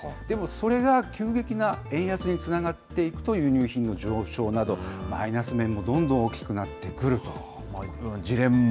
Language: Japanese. でも、それが急激な円安につながっていくと、輸入品の上昇など、マイナス面もどんどん大きくなってくると。